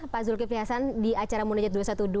pak zulkifli hasan di acara munejat dua satu dua